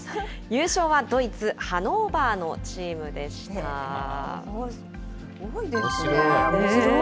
優勝はドイツ・ハノーバーのチーすごいですね。